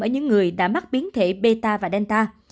ở những người đã mắc biến thể meta và delta